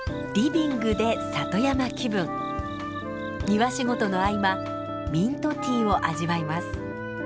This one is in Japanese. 庭仕事の合間ミントティーを味わいます。